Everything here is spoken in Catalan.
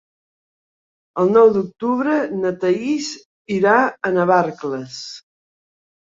El nou d'octubre na Thaís irà a Navarcles.